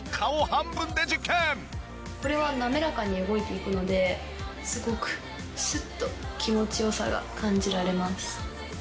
これは滑らかに動いていくのですごくスッと気持ち良さが感じられます。